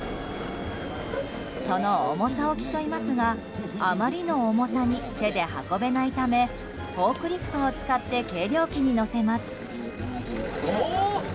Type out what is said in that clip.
その重さを競いますがあまりの重さに手で運べないためフォークリフトを使って計量器に乗せます。